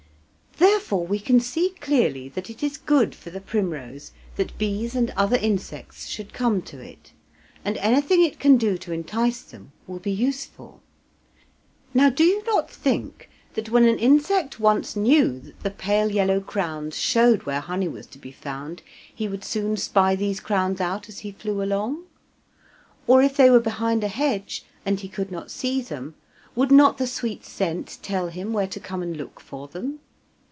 Therefore, we can see clearly that it is good for the primrose that bees and other insects should come to it, and anything it can do to entice them will be useful. Now, do you not think that when an insect once knew that the pale yellow crown showed where honey was to be found, he would soon spy these crowns out as he flew along? or if they were behind a hedge, and he could not see them, would not the sweet scent tell him where to come and look for them?